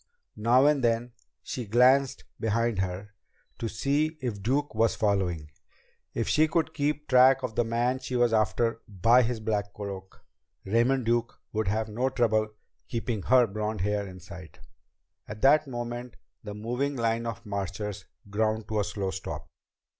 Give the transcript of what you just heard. Now and then she glanced behind her to see if Duke was following. If she could keep track of the man she was after by his black cloak, Raymond Duke would have no trouble keeping her blond hair in sight! At that moment the moving line of marchers ground to a slow stop.